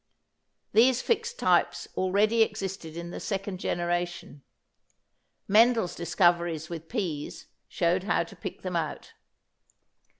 These fixed types already existed in the second generation. Mendel's discoveries with peas showed how to pick them out.